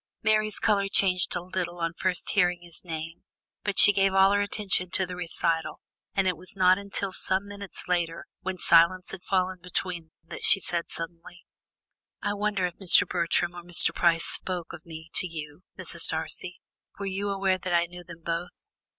Mary's colour changed a little on first hearing his name, but she gave all her attention to the recital, and it was not until some minutes later, when silence had fallen between them, that she said suddenly: "I wonder if Mr. Bertram or Mr. Price spoke of me to you, Mrs. Darcy. Were you aware that I knew them both?"